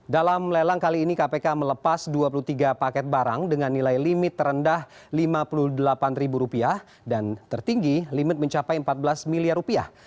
dalam lelang kali ini kpk melepas dua puluh tiga paket barang dengan nilai limit terendah lima puluh delapan ribu rupiah dan tertinggi limit mencapai empat belas miliar rupiah